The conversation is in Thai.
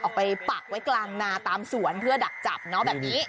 ไปปักไว้กลางนาตามสวนเพื่อดักจับเนาะแบบนี้